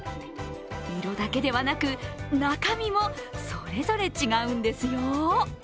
色だけではなく、中身もそれぞれ違うんですよ。